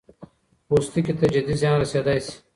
پوستکي ته جدي زیان رسېدای شي.